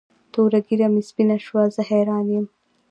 توره ږیره مې سپینه شوه زه حیران یم.